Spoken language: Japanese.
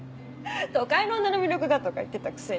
「都会の女の魅力が」とか言ってたくせに。